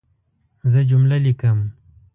زه جمله لیکم.